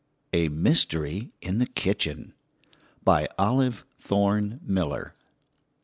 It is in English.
A MYSTERY IN THE KITCHEN BY OLIVE THORNE MILLER.